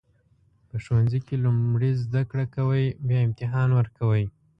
په ښوونځي کې لومړی زده کوئ بیا امتحان ورکوئ.